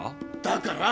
だから！